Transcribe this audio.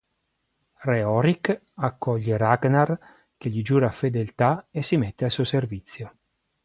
Re Horik accoglie Ragnar che gli giura fedeltà e si mette al suo servizio.